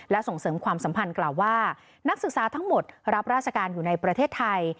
และส่งเสริมความสัมพันธ์กล่าวว่านักศึกษาทั้งหมดรับราชการอยู่ในประเทศไทย